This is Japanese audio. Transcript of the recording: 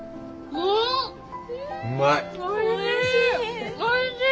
おいしい。